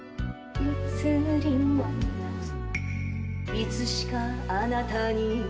「いつしかあなたに」